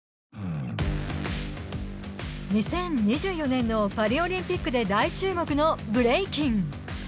２０２４年のパリオリンピックで大注目のブレイキン。